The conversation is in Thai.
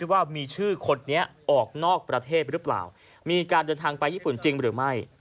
ว่ามีชื่อคนนี้ออกนอกประเทศหรือเปล่ามีการเดินทางไปญี่ปุ่นจริงหรือไม่